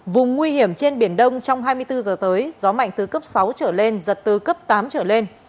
vùng nguy hiểm trên biển đông trong hai mươi bốn giờ tới gió mạnh từ cấp sáu trở lên giật từ cấp tám trở lên